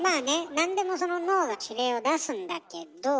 なんでも脳が指令を出すんだけど。